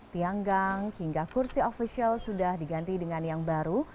tiang gang hingga kursi ofisial sudah diganti dengan yang baru